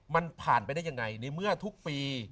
มันผ่านไปได้ยังไงในเมื่อทุกปี